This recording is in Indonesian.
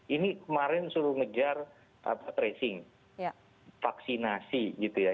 ini kemarin suruh ngejar tracing vaksinasi gitu ya